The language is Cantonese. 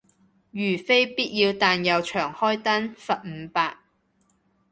如非必要但又長開燈，罰五百